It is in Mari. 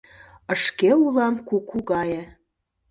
Ышке улам куку гае -